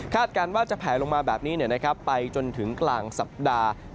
การว่าจะแผลลงมาแบบนี้ไปจนถึงกลางสัปดาห์